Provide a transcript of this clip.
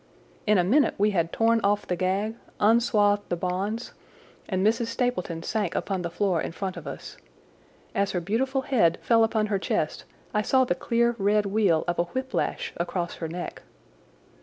In a minute we had torn off the gag, unswathed the bonds, and Mrs. Stapleton sank upon the floor in front of us. As her beautiful head fell upon her chest I saw the clear red weal of a whiplash across her neck.